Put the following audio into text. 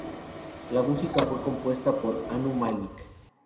La música fue compuesta por Anu Malik.